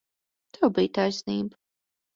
Tev bija taisnība.